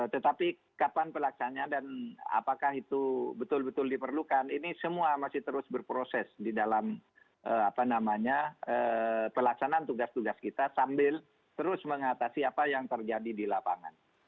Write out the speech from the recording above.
tetapi kapan pelaksana dan apakah itu betul betul diperlukan ini semua masih terus berproses di dalam pelaksanaan tugas tugas kita sambil terus mengatasi apa yang terjadi di lapangan